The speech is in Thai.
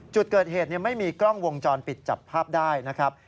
จุดเกิดเหตุไม่มีกล้องวงจรปิดจับภาพได้นะครับ